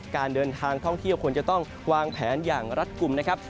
การเดินทางท่องเที่ยวควรจะต้องวางแผนอย่างรัฐกลุ่มนะครับ